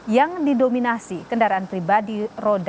yang didominasi kendaraan pribadi roda